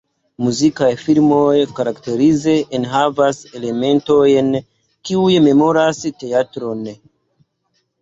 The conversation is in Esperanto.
Muzikaj filmoj karakterize enhavas elementojn kiuj memoras teatron.